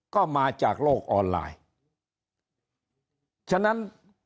ก็มาจากโลกออนไลน์ฉะนั้น